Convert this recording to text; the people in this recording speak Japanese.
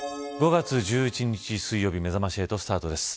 ５月１１日水曜日めざまし８スタートです。